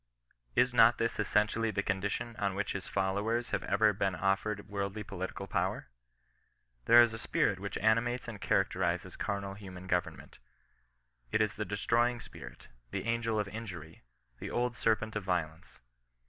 Is not this essentially the condition on which his followers have ever been offered worldly political power? There is a spirit which animates and charac terizes carnal human government. It is the destroying spirit — the angel of injury, the old serpent of violence.